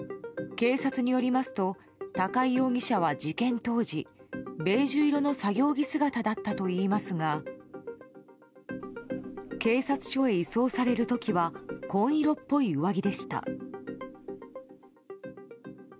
警察によりますと高井容疑者は事件当時ベージュ色の作業着姿だったといいますが警察署へ移送される時は紺色っぽい上着でした。